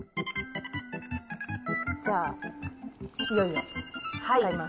じゃあいよいよ使います。